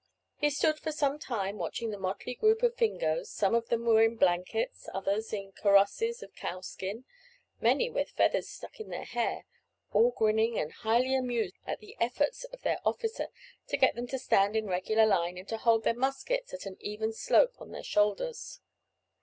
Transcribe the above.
He stood for some time watching the motley group of Fingoes; some of them were in blankets, others in karosses of cow skin, many with feathers stuck in their hair, all grinning and highly amused at the efforts of their officer to get them to stand in regular line, and to hold their muskets at an even slope on their shoulders.